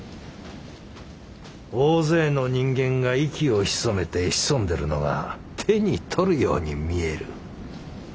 大勢の人間が息を潜めて潜んでるのが手に取るように見える。